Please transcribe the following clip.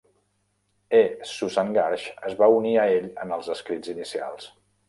E. Susan Garsh es va unir a ell en els escrits inicials.